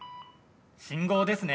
信号ですね。